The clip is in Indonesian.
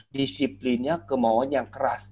disiplinnya kemauannya yang keras